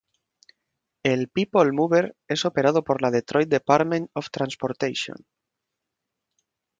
El People Mover es operado por la Detroit Departament of Transportation.